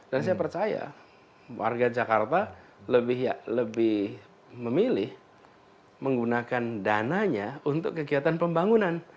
dan saya percaya warga jakarta lebih memilih menggunakan dananya untuk kegiatan pembangunan